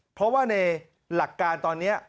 เพราะว่าในหลักการตอนนี้